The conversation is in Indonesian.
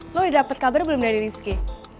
lo udah dapet kabar belum dari rizky